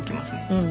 うん。